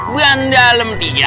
ban dalam tiga